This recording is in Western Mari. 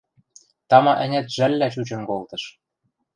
Тама-ӓнят жӓллӓ чучын колтыш.